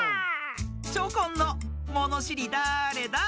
チョコンの「ものしりだれだ？」